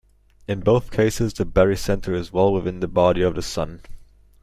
In both cases the barycenter is well within the body of the Sun.